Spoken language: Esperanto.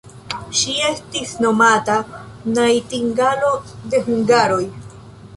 Ŝi estis nomata najtingalo de hungaroj.